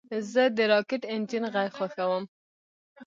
زه د راکټ انجن غږ خوښوم.